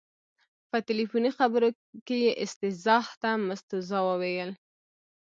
په تلیفوني خبرو کې یې استیضاح ته مستوزا وویل.